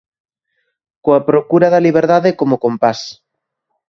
Coa procura da liberdade como compás.